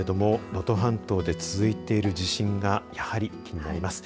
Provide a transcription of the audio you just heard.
能登半島で続いている地震がやはり気になります。